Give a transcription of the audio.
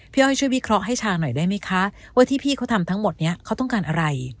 อ้อยช่วยวิเคราะห์ให้ชาหน่อยได้ไหมคะว่าที่พี่เขาทำทั้งหมดนี้เขาต้องการอะไร